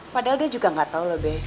padahal dia juga gak tau loh b